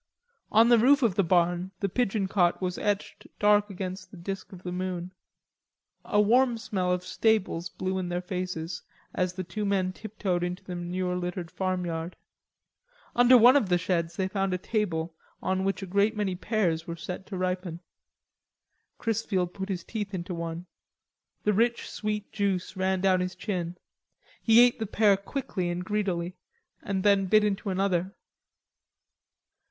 On the roof of the barn the pigeon cot was etched dark against the disc of the moon. A warm smell of stables blew in their faces as the two men tiptoed into the manure littered farmyard. Under one of the sheds they found a table on which a great many pears were set to ripen. Chrisfield put his teeth into one. The rich sweet juice ran down his chin. He ate the pear quickly and greedily, and then bit into another.